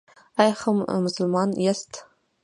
ایا ښه مسلمان یاست؟